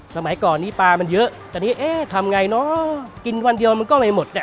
สมัยก่อนนี้ปลามันเยอะแต่นี่เอ๊ะทำไงเนอะกินวันเดียวมันก็เลยหมดเนี่ย